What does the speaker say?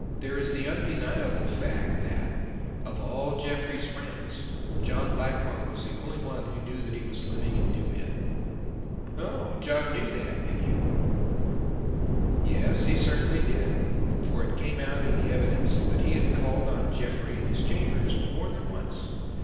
There is the undeniable fact that, of all Jeffrey's friends, John Blackmore was the only one who knew that he was living in New Inn." "Oh, John knew that, did he?" "Yes, he certainly did; for it came out in the evidence that he had called on Jeffrey at his chambers more than once.